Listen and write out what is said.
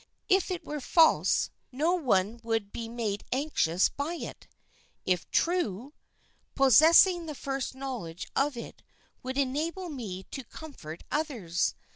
If it were false, no one would be made anxious by it; if true, possessing the first knowledge of it would enable me to comfort others.